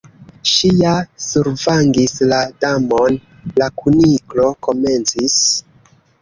"Ŝi ja survangis la Damon" la Kuniklo komencis.